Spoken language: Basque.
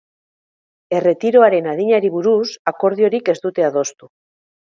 Erretiroaren adinari buruz akordiorik ez dute adostu.